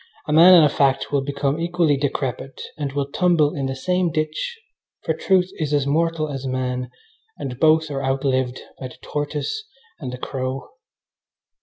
A man and a fact will become equally decrepit and will tumble in the same ditch, for truth is as mortal as man, and both are outlived by the tortoise and the crow.